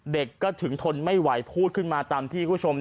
เด็กก็ถึงทนไม่ไหวพูดขึ้นมาตามที่คุณผู้ชม